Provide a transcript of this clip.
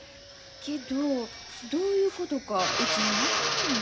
けどどういうことかうちよう分からんのや。